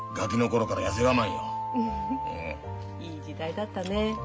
いい時代だったね。